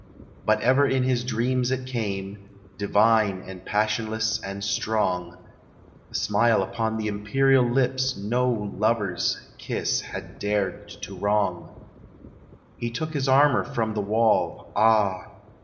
But ever in his dreams it came Divine and passionless and strong, A smile upon the imperial lips No lover's kiss had dared to wrong. He took his armor from the wall Ah!